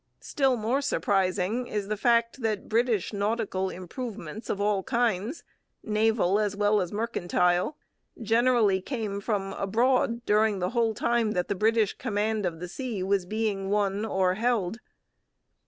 Still more surprising is the fact that British nautical improvements of all kinds, naval as well as mercantile, generally came from abroad during the whole time that the British command of the sea was being won or held.